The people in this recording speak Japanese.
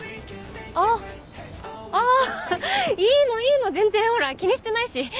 あっあいいのいいの全然ほら気にしてないし。